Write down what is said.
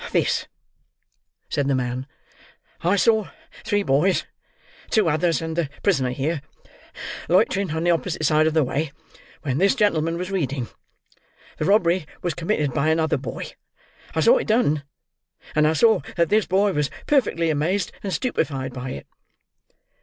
"This," said the man: "I saw three boys: two others and the prisoner here: loitering on the opposite side of the way, when this gentleman was reading. The robbery was committed by another boy. I saw it done; and I saw that this boy was perfectly amazed and stupified by it."